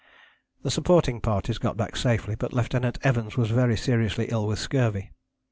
The supporting parties got back safely, but Lieutenant Evans was very seriously ill with scurvy.